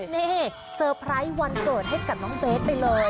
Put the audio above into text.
นี่เซอร์ไพรส์วันเกิดให้กับน้องเบสไปเลย